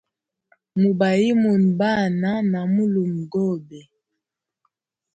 Mubayimune Bana na mulumegobe.